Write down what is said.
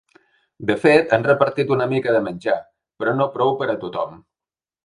De fet, han repartit una mica de menjar, però no prou per a tothom.